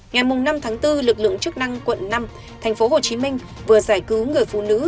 ngày năm tháng bốn lực lượng chức năng quận năm tp hcm vừa giải cứu người phụ nữ